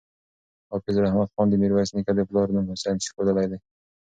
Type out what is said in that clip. حافظ رحمت خان د میرویس نیکه د پلار نوم حسین ښودلی دی.